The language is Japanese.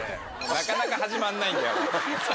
なかなか始まんないんだよ。